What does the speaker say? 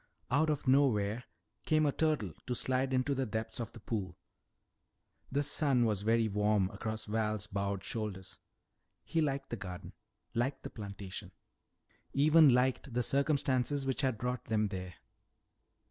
Out of nowhere came a turtle to slide into the depths of the pool. The sun was very warm across Val's bowed shoulders. He liked the garden, liked the plantation, even liked the circumstances which had brought them there.